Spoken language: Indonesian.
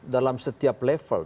dalam setiap level